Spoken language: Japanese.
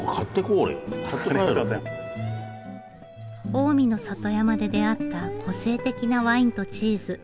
近江の里山で出会った個性的なワインとチーズ。